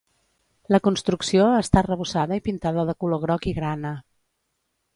La construcció està arrebossada i pintada de color groc i grana.